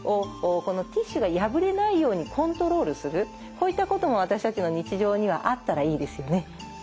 こういったことも私たちの日常にはあったらいいですよね。